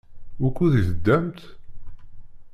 Wukud i teddamt?